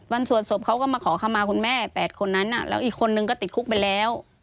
สวดศพเขาก็มาขอคำมาคุณแม่๘คนนั้นแล้วอีกคนนึงก็ติดคุกไปแล้ว